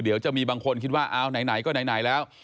เดี๋ยวจะมีบางคนคิดว่าอ้าวไหนก็ไหนแล้ว